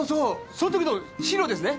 そんときの資料ですね？